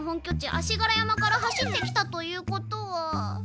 足柄山から走ってきたということは。